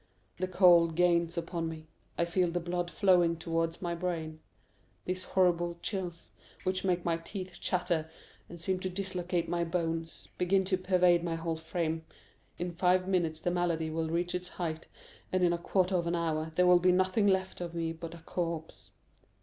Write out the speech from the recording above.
The cold gains upon me. I feel the blood flowing towards my brain. These horrible chills, which make my teeth chatter and seem to dislocate my bones, begin to pervade my whole frame; in five minutes the malady will reach its height, and in a quarter of an hour there will be nothing left of me but a corpse."